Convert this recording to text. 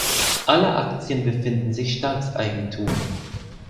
Alle Aktien befinden sich Staatseigentum.